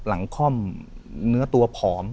หลังคล่อมเนื้อตัวผอม